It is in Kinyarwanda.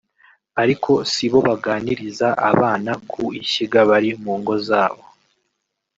ariko sibo baganiriza abana ku ishyiga bari mu ngo zabo